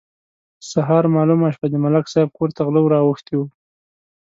سهار مالومه شوه: د ملک صاحب کور ته غله ور اوښتي وو.